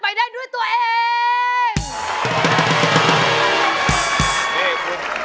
ไปได้ด้วยตัวเอง